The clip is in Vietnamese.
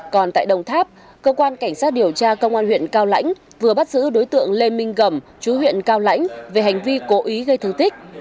còn tại đồng tháp cơ quan cảnh sát điều tra công an huyện cao lãnh vừa bắt giữ đối tượng lê minh gầm chú huyện cao lãnh về hành vi cố ý gây thương tích